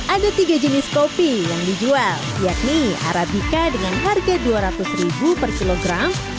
ada tiga jenis kopi yang dijual yakni arabica dengan harga rp dua ratus ribu per kilogram